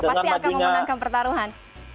pasti akan memenangkan pertarungan